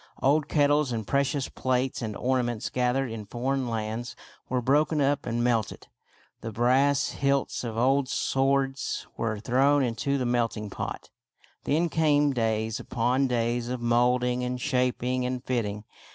Old kettles and precious plates and orna ments gathered in foreign lands were broken up and melted. The brass hilts of old swords were thrown into the melting pot. Then came days upon days of molding and shaping and fitting.